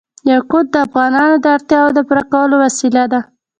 یاقوت د افغانانو د اړتیاوو د پوره کولو وسیله ده.